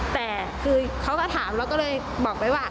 แต่คือเขาก็ถามเราก็เลยบอกไปว่า